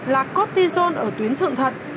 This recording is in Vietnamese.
là cortisone ở tuyến thượng thật